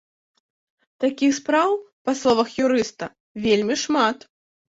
Такіх спраў, па словах юрыста, вельмі шмат.